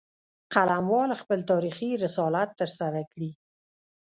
قلموال خپل تاریخي رسالت ترسره کړي